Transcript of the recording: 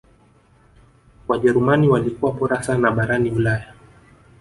wajerumani walikua bora sana barani ulaya